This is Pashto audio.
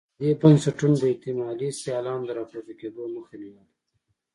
دې بنسټونو د احتمالي سیالانو د راپورته کېدو مخه نیوله.